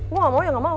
gue gak mau ya gak mau